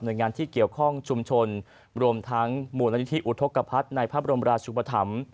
โดยงานที่เกี่ยวข้องชุมชนรวมทั้งมูลนิธิอุทธกภัทรในพระบรมราชุปธรรม